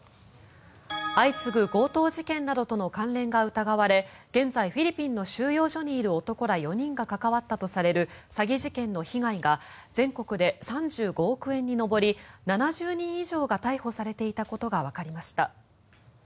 相次ぐ強盗事件などとの関連が疑われ現在フィリピンの収容所にいる男ら４人が関わったとされる詐欺事件の被害が全国で３５億円に上り７０人以上が逮捕されていたことがわかりました。